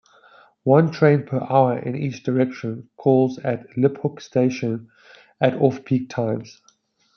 One train per hour in each direction calls at Liphook station at off-peak times.